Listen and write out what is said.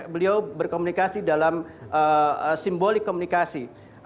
beliau berkomunikasi dalam simbolik komunikasi